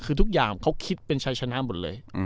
คือทุกอย่างเขาคิดเป็นชัยชนะหมดเลย